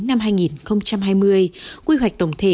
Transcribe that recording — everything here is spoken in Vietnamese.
năm hai nghìn hai mươi quy hoạch tổng thể